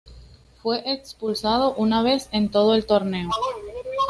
Fue expulsado una vez en todo el torneo.